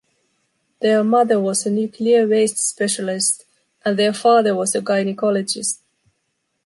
Their mother was a nuclear waste specialist and their father was a gynecologist.